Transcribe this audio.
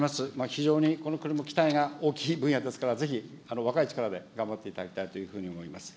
非常にこの国も期待が大きい分野でございますから、ぜひ若い力で頑張っていただきたいというふうに思います。